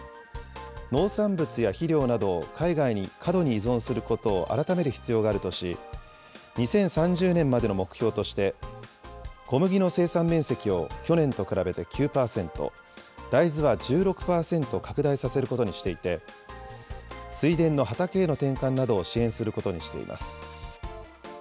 農産物や肥料などを海外に過度に依存することを改める必要があるとし、２０３０年までの目標として、小麦の生産面積を去年と比べて９％、大豆は１６％拡大させることにしていて、水田の畑への転換を支援することにしています。